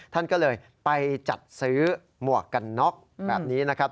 ท่านก็เลยไปจัดซื้อหมวกกันน็อกแบบนี้นะครับ